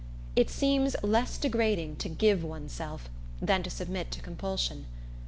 It seems less degrading to give one's self, than to submit to compulsion.